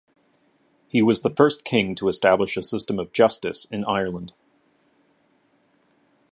He was the first king to establish a system of justice in Ireland.